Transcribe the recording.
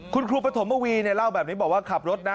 คุณครูปะถหมวี่เนี่ยเล่าแบบนี้บอกว่าขับรถนะ